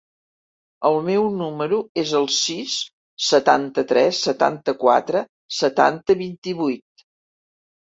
El meu número es el sis, setanta-tres, setanta-quatre, setanta, vint-i-vuit.